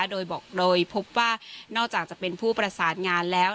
โดยพบว่านอกจากจะเป็นผู้ประสานงานแล้ว